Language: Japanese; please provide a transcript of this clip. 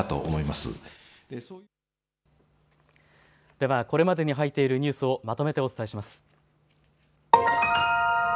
では、これまでに入っているニュースをまとめてお伝えします。